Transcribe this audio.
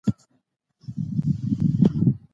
پرون مي په بازار کي یو ډېر زوړ ملګری ولیدی.